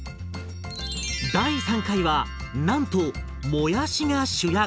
第３回はなんともやしが主役！